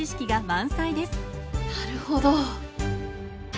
なるほど。